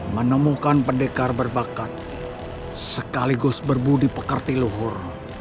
menemukan pendekar berbakat sekaligus berbudi pekerti luhur